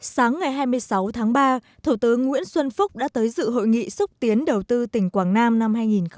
sáng ngày hai mươi sáu tháng ba thủ tướng nguyễn xuân phúc đã tới dự hội nghị xúc tiến đầu tư tỉnh quảng nam năm hai nghìn một mươi chín